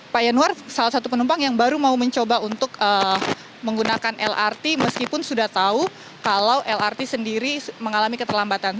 pak yanuar salah satu penumpang yang baru mau mencoba untuk menggunakan lrt meskipun sudah tahu kalau lrt sendiri mengalami keterlambatan